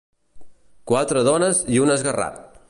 Quatre dones i un esguerrat!